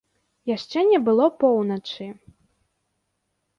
Яшчэ не было поўначы.